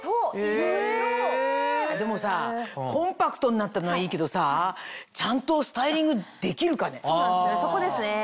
でもさコンパクトになったのはいいけどさちゃんとスタイリングできるかね？